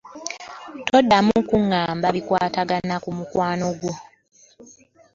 Toddamu kungamba bikwatagana ku mukwano gwo.